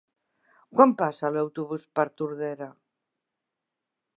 Quan passa l'autobús per Tordera?